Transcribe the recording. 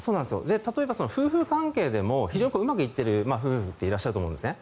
例えば、夫婦関係でも非常にうまくいっている夫婦っていらっしゃると思うんですね。